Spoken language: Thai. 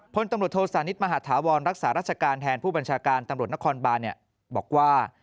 พลตำรวจโทษานิทมหาธาวรรักษาราชการแทนผู้บัญชาการตำรวจนครบานบอกว่า